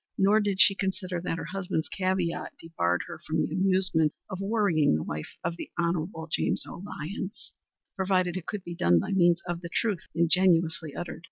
Nor did she consider that her husband's caveat debarred her from the amusement of worrying the wife of the Hon. James O. Lyons, provided it could be done by means of the truth ingenuously uttered.